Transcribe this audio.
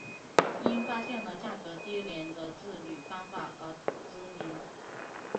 因发现了价格低廉的制铝方法而知名。